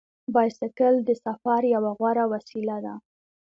بایسکل د سفر یوه غوره وسیله ده.